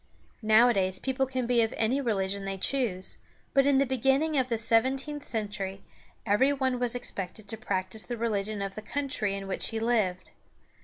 Nowadays people can be of any religion they choose, but in the beginning of the seventeenth century every one was expected to practice the religion of the country in which he lived.